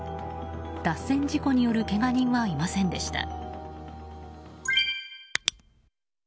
脱線事故によるけが人はいませんでした。